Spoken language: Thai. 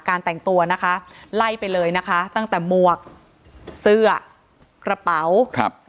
แต่งตัวนะคะไล่ไปเลยนะคะตั้งแต่หมวกเสื้อกระเป๋าครับ